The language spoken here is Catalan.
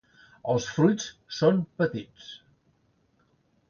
Els fruits són petits.